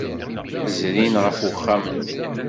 Zrin ɣef uxxam-nni.